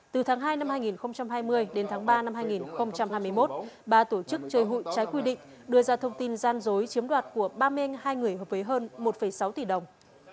từ tháng hai năm hai nghìn hai mươi đến tháng ba năm hai nghìn hai mươi một ba tổ chức chơi hụi trái quy định đưa ra thông tin gian dối chiếm đoạt của ba men hai người hợp với hơn một sáu tỷ đồng